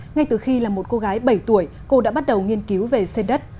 ngay từ khi là một cô gái bảy tuổi cô đã bắt đầu nghiên cứu về sen đất